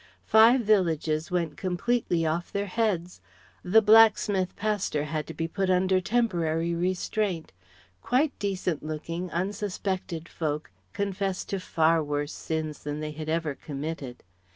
Five villages went completely off their heads. The blacksmith pastor had to be put under temporary restraint. Quite decent looking, unsuspected folk confessed to far worse sins than they had ever committed.